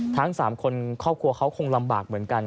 ทั้ง๓คนครอบครัวเขาคงลำบากเหมือนกัน